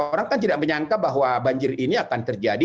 orang kan tidak menyangka bahwa banjir ini akan terjadi